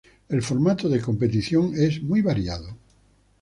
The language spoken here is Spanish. El formato de competición es muy variado.